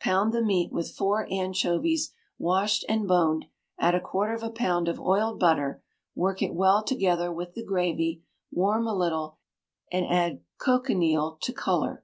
Pound the meat, with four anchovies washed and boned; add a quarter of a pound of oiled butter, work it well together with the gravy, warm a little, and add cochineal to colour.